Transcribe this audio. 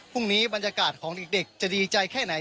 พรุ่งนี้บรรยากาศของอีกเด็กจะดีใจแค่ไหน